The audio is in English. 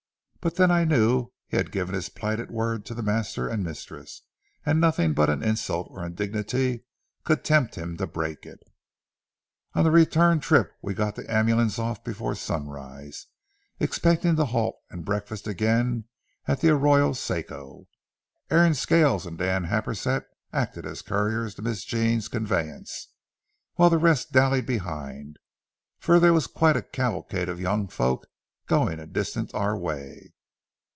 But then I knew he had given his plighted word to the master and mistress, and nothing but an insult or indignity could tempt him to break it. On the return trip, we got the ambulance off before sunrise, expecting to halt and breakfast again at the Arroyo Seco. Aaron Scales and Dan Happersett acted as couriers to Miss Jean's conveyance, while the rest dallied behind, for there was quite a cavalcade of young folks going a distance our way.